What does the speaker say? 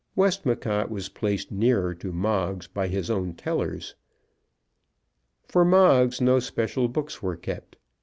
Westmacott was placed nearer to Moggs by his own tellers. For Moggs no special books were kept.